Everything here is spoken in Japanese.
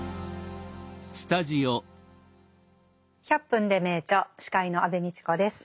「１００分ｄｅ名著」司会の安部みちこです。